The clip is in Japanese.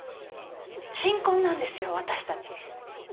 新婚なんですよ私たち。